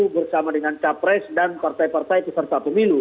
bersama dengan capres dan partai partai kisar satu milu